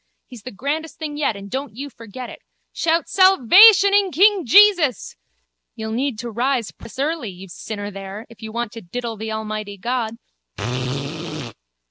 He's the grandest thing yet and don't you forget it. Shout salvation in King Jesus. You'll need to rise precious early, you sinner there, if you want to diddle the Almighty God.